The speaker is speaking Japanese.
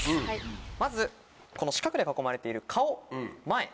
まずこの四角で囲まれている「かお」「まえ」